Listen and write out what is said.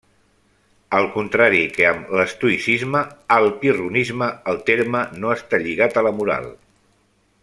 Al contrari que amb l'estoïcisme, al pirronisme el terme no està lligat a la moral.